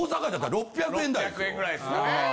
６００円ぐらいっすかね。